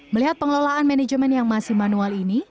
melihat pengelolaan manajemen yang masih manual ini